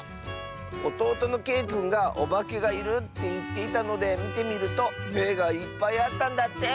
おとうとのけいくんがおばけがいるっていっていたのでみてみるとめがいっぱいあったんだって！